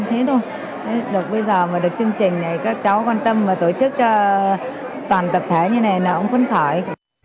thế thôi được bây giờ mà được chương trình này các cháu quan tâm và tổ chức cho toàn tập thể như này là ông phấn khởi